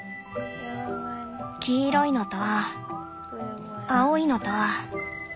黄色いのと青いのと。